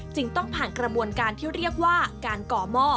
ต้องผ่านกระบวนการที่เรียกว่าการก่อหม้อ